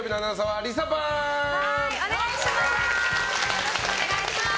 よろしくお願いします。